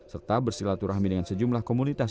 serta bersilaturahmi dengan sejumlah komunitas